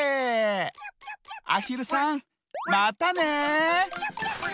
あひるさんまたね！